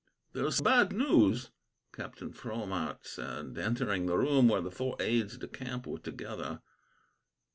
"There is bad news," Captain Fromart said, entering the room where the four aides de camp were together.